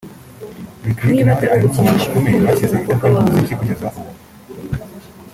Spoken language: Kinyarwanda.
Lick Lick nawe ni umwe mu bantu bakomeye bashyize itafari ku muziki kugeza n’ubu